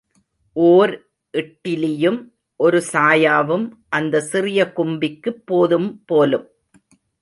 ஓர் இட்டிலியும் ஒரு சாயாவும் அந்த சிறிய கும்பிக்குப் போதும் போலும்!